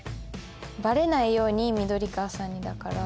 ばれないように緑川さんにだから。